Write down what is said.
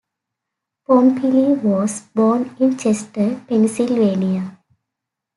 Pompilli was born in Chester, Pennsylvania.